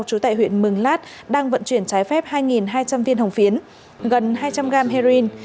chú tải huyện mừng lát đang vận chuyển trái phép hai hai trăm linh viên hồng phiến gần hai trăm linh gram heroin